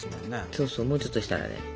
そうそうもうちょっとしたらね。